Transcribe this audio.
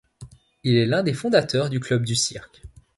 Il est l'un des fondateurs du Club du Cirque.